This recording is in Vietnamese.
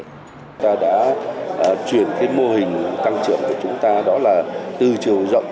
chúng ta đã chuyển cái mô hình tăng trưởng của chúng ta đó là từ chiều rộng